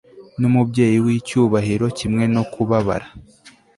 Numubyeyi wicyubahiro kimwe no kubabara